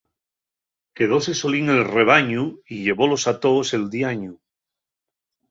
Quedóse solín el rebañu y llevólos a toos el diañu.